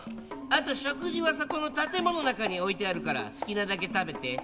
あと食事はそこの建物の中に置いてあるから好きなだけ食べて。